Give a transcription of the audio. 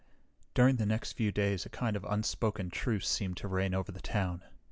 During the next few days a kind of unspoken truce seemed to reign over the town.